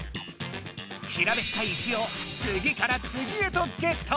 平べったい石をつぎからつぎへとゲット！